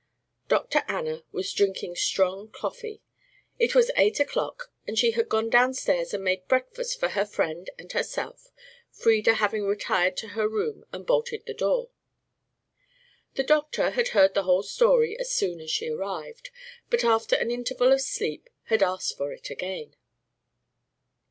Dr. Anna was drinking strong coffee. It was eight o'clock, and she had gone downstairs and made breakfast for her friend and herself, Frieda having retired to her room and bolted the door. The doctor had heard the whole story as soon as she arrived, but after an interval of sleep had asked for it again.